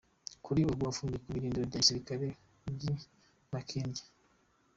Kuri ubu afungiwe ku birindiro bya gisirikare by’i Makindye.